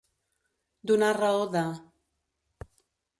Donar raó de.